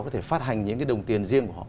có thể phát hành những cái đồng tiền riêng của họ